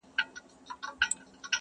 خو چي زه مي د مرګي غېږي ته تللم٫